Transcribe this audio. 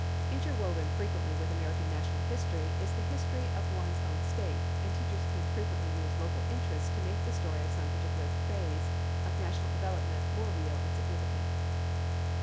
Interwoven frequently with American national history is the history of one's own state, and teachers can frequently use local interests to make the story of some particular phase of national development more real and significant.